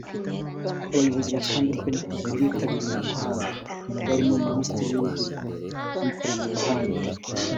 Abayobozi batandukanye bari bitabiriye uyu muhango barimo Minisitiri w’Urubyiruko n’Ikoranabuhanga